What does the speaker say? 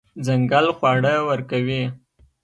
ځنګل خواړه ورکوي.